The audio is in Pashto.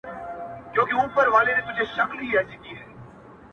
• ښــــه دى چي نه دى د قومونـــو پـــــاچـــــا ـ